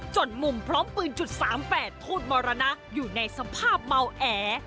จนมุมพร้อมปืนจุดสามแปดโทษมรณะอยู่ในสภาพเมาแอ